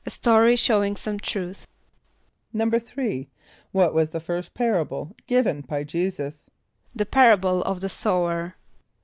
=A story showing some truth.= =3.= What was the first parable given by J[=e]´[s+]us? =The parable of the Sower.